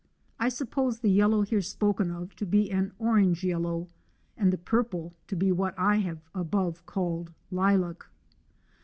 '' I suppose the yellow here spoken of to be an orange yellow, and the purple to be what I have abo\e called lilac.